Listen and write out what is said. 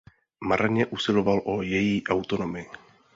Marně usiloval o její autonomii.